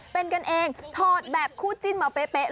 เป็นกันเองถอดแบบคู่จิ้นมาเป๊ะ